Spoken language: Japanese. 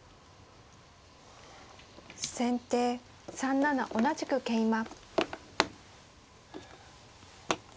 先手３七同じく桂馬。